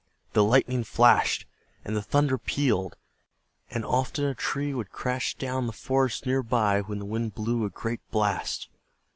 The lightning flashed, and the thunder pealed, and often a tree would crash down in the forest near by when the wind blew a great blast.